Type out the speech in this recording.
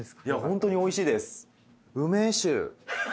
いやホントにおいしいです。